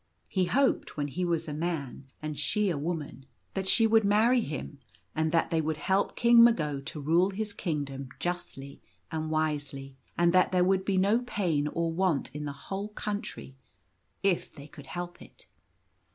He hoped when he was a man and she a woman that she would 1 8 The Courtiers. marry him, and that they would help King Mago to rule his kingdom justly and wisely, and that there would be no pain or want in the whole country, if they could help it.